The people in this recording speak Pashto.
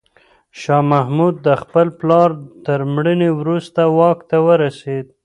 شاه محمود د خپل پلار تر مړینې وروسته واک ته ورسېد.